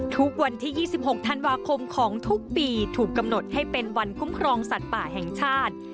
ทุกวันที่๒๖ธันวาคมของทุกปีถูกกำหนดให้เป็นวันคุ้มครองสัตว์ป่าแห่งชาติ